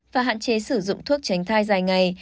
và hạn chế sử dụng thuốc tránh thai dài ngày